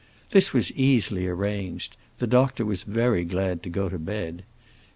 This was easily arranged; the doctor was very glad to go to bed.